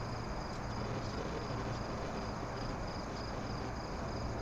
删节线是以一条线划过一字形后所得的变型。